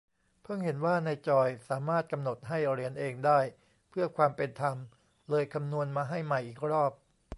เพิ่งเห็นว่าในจอยสามารถกำหนดให้เหรียญเองได้ เพื่อความเป็นธรรมเลยคำนวนมาให้ใหม่อีกรอบ